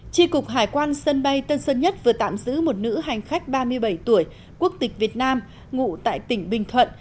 tri cục hải quan sân bay tân sơn nhất vừa tạm giữ một nữ hành khách ba mươi bảy tuổi quốc tịch việt nam ngụ tại tỉnh bình thuận